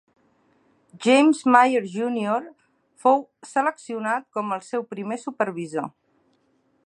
James Myer Junior fou seleccionat com al seu primer supervisor.